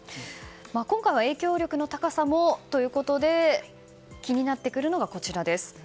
今回は影響力の高さもということで気になってくるのがこちらです。